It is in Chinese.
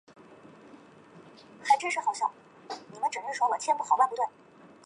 用户还可以将任意的文件和文件夹放在里面以便快速访问。